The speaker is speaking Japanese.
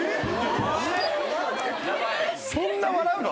そんな笑うの？